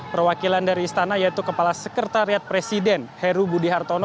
perwakilan dari istana yaitu kepala sekretariat presiden heru budi hartono